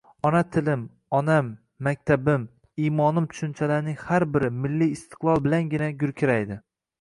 Ona tilim, onam, maktabim, iymonim tushunchalarining har biri milliy istiqlol bilangina gurkiraydi.